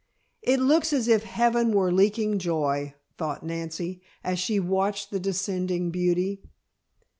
"It looks as if heaven were leaking joy," thought Nancy, as she watched the descending beauty.